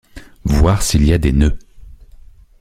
voir s’il y a des nœuds!